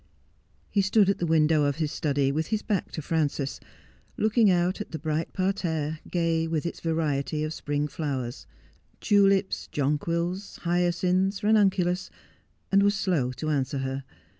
He stood at the window of his study with his back to Trances, looking out at the bright parterre, gay with its variety of spring flowers — tulips, jonquils, hyacinths, ranunculus — and was slow to answer her.